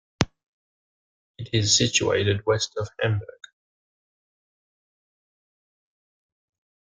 It is situated west of Hamburg.